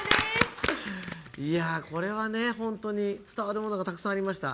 これは本当に伝わるものがたくさんありました。